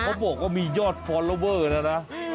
เขาบอกว่ามียอดฟอลลอเวอร์แล้วนะ